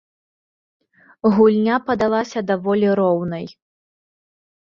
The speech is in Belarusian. Гульня падалася даволі роўнай.